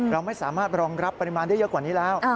เราไม่สามารถรองรับปริมาณได้เยอะกว่านี้แล้ว